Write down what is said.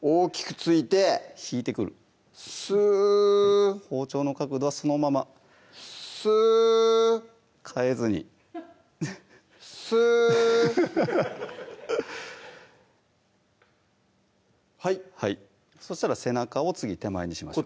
大きく突いて引いてくるスー包丁の角度はそのままスー変えずにスーはいそしたら背中を次手前にします